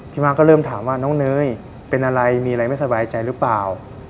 มาก็เริ่มถามว่าน้องเนยเป็นอะไรมีอะไรไม่สบายใจหรือเปล่า